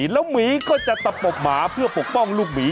แล้วหมีก็จะตะปบหมาเพื่อปกป้องลูกหมี